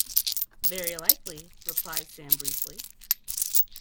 ‘Very likely,’ replied Sam briefly.